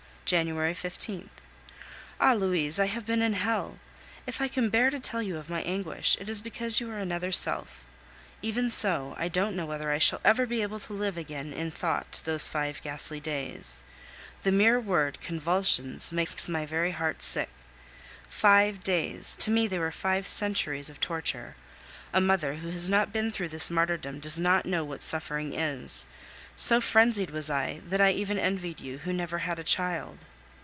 January 15th. Ah! Louise, I have been in hell. If I can bear to tell you of my anguish, it is because you are another self; even so, I don't know whether I shall ever be able to live again in thought those five ghastly days. The mere word "convulsions" makes my very heart sick. Five days! to me they were five centuries of torture. A mother who has not been through this martyrdom does not know what suffering is. So frenzied was I that I even envied you, who never had a child!